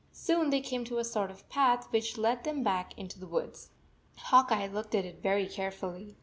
Soon they came to a sort of path which led back into the woods. Hawk Eye looked at it very carefully.